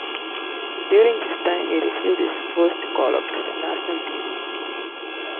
During this time, he received his first callup to the national team.